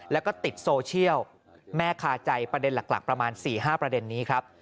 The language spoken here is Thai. แล้วก็ติดโซเชียลแม่คาใจประเด็นหลักประมาณ๔๕ประเด็นนี้ครับ